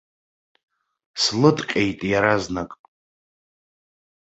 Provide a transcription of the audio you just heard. Слыдҟьеит иаразнак.